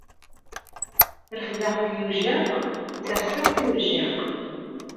Refdeɣ-t yujjaq, serseɣ-t yujjaq!